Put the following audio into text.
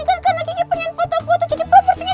terima kasih chef